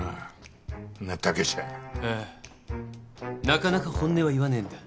なかなか本音は言わねえんだ。